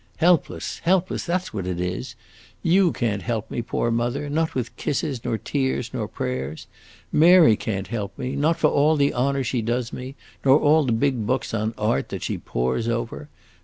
Helpless, helpless that 's what it is. You can't help me, poor mother not with kisses, nor tears, nor prayers! Mary can't help me not for all the honor she does me, nor all the big books on art that she pores over.